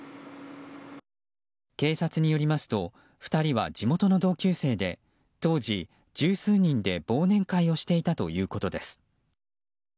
警察によりますと２人は地元の同級生で当時、十数人で忘年会をしていたということです。